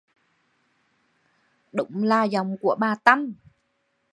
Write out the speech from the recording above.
Đúng là giọng của bà Tâm